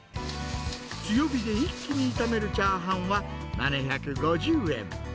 強火で一気に炒めるチャーハンは、７５０円。